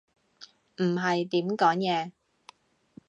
唔係點講嘢